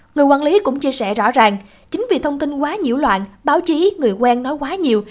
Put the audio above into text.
người quản lý cũng chia sẻ rõ ràng chính vì thông tin quá nhiễu loạn báo chí người quen nói quá nhiều